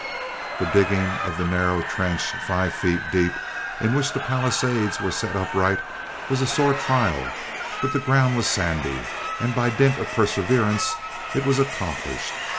The digging of the narrow trench, five feet deep, in which the palisades were set upright, was a sore trial; but the ground was sandy, and by dint of perseverance it was accomplished.